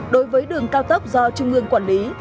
đối với đường cao tốc do trung ương quản lý